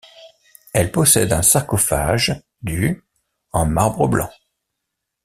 Elle possède un sarcophage du en marbre blanc.